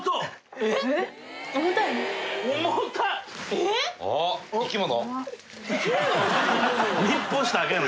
えっ？生き物？